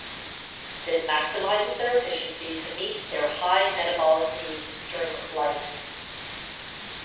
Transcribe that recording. This maximizes their efficiency to meet their high metabolic needs during flight.